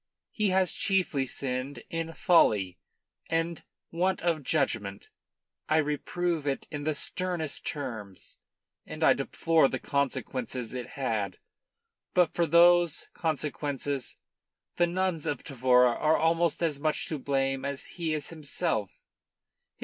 He has chiefly sinned in folly and want of judgment. I reprove it in the sternest terms, and I deplore the consequences it had. But for those consequences the nuns of Tavora are almost as much to blame as he is himself.